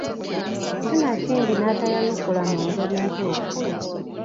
Sinakindi n’atayanukula mu ngeri entuufu.